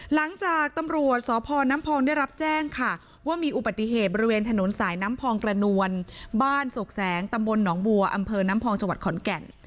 หลังจากตำรวจสพน้ำพองได้รับแจ้งค่ะว่ามีอุบัติเหตุบริเวณถนนสายน้ำพองกระนวลบ้านโศกแสงตำบลหนองบัวอำเภอน้ำพองจังหวัดขอนแก่น